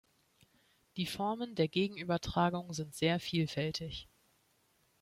Die Formen der Gegenübertragung sind sehr vielfältig.